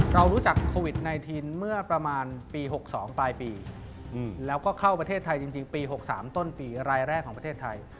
เรารู้จักโควิด๑๙เมื่อประมาณปี๖๒ปลายปีแล้วก็เข้าประเทศไทยจริงปี๖๓ต้นปีรายแรกของประเทศไทย